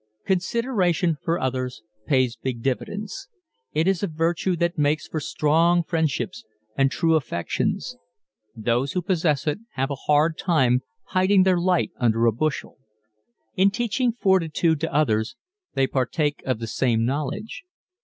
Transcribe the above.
Consideration for others pays big dividends. It is a virtue that makes for strong friendships and true affections. Those who possess it have a hard time hiding their light under a bushel. In teaching fortitude to others they partake of the same knowledge.